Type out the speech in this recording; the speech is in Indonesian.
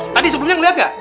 tadi sebelumnya ngelihat gak